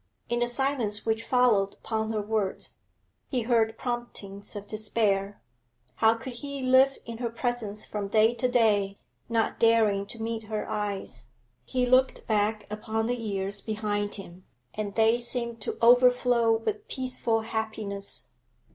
In the silence which followed upon her words he heard promptings of despair. How could he live in her presence from day to day, not daring to meet her eyes? He looked back upon the years behind him, and they seemed to overflow with peaceful happiness.